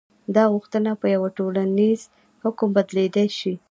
دا غوښتنه په یوه ټولیز حکم بدلېدلی شي.